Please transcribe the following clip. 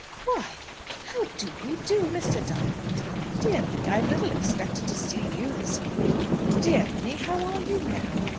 "Why, how do you do, Mr. Diamond? Dear me! I little expected to see you this evening. Dear Minnie, how are you now?